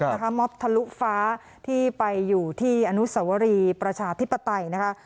ม็อบทะลุฟ้าที่ไปอยู่ที่อนุสวรีประชาธิปไตยนะคะ